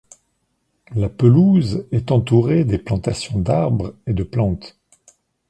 La pelouse est entourée des plantations d'arbres et de plantes.